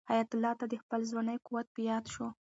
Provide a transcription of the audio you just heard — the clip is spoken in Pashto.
حیات الله ته د خپل ځوانۍ قوت په یاد شو.